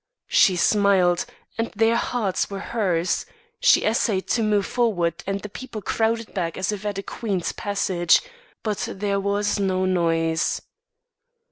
She smiled and their hearts were hers; she essayed to move forward and the people crowded back as if at a queen's passage; but there was no noise.